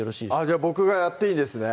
じゃあ僕がやっていいですね